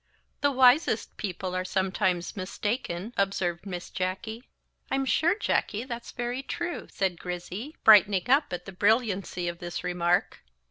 "The wisest people are sometimes mistaken," observed Miss Jacky. "I'm sure, Jacky, that's very true," said Grizzy, brightening up at the brilliancy of this remark.